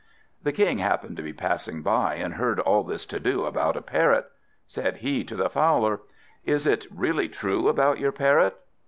The King happened to be passing by, and heard all this to do about a Parrot. Said he to the Fowler "Is it really true about your Parrot?"